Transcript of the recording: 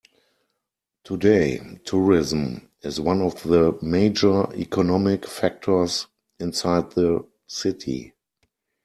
Today, tourism is one of the major economic factors inside the city.